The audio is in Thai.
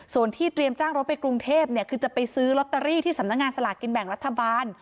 ส่วนที่เตรียมจ้างรถไปกรุงเทพเนี่ยคือจะไปซื้อลอตเตอรี่ที่สำนักงานสลากกินแบ่งรัฐบาล